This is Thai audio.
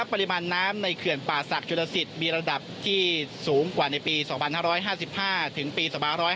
ปริมาณน้ำในเขื่อนป่าศักดิลสิตมีระดับที่สูงกว่าในปี๒๕๕๕ถึงปี๒๕๕๙